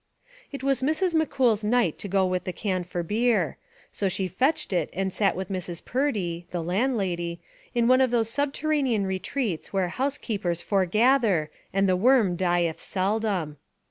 It was Mrs. McCool's night to go with the can for beer. So she fetched it and sat with Mrs. Purdy (the landlady) in one of those sub terranean retreats where housekeepers fore gather and the worm dieth seldom.